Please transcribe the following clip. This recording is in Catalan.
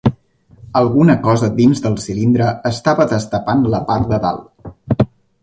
Alguna cosa a dins del cilindre estava destapant la part de dalt.